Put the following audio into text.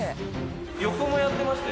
横もやってましたよね？